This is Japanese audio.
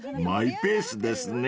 マイペースですね］